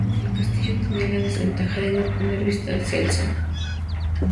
El castillo tenía la desventaja de no tener vista hacia el Sena.